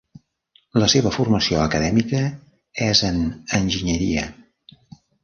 La seva formació acadèmica és en enginyeria.